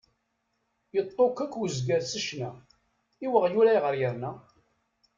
Yeṭṭukkek uzger s ccna; i weɣyul, ayɣer yerna?